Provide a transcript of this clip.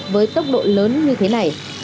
với tốc độ lớn như thế này